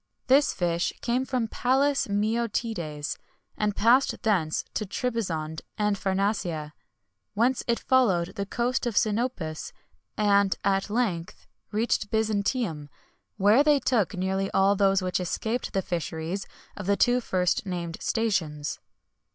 This fish came from Palus Meotides, and passed thence to Trebizond and Pharnacia, whence it followed the coast of Sinopus, and, at length, reached Byzantium, where they took nearly all those which escaped the fisheries of the two first named stations.